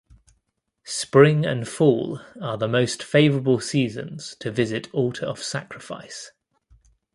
Spring and fall are the most favorable seasons to visit Altar of Sacrifice.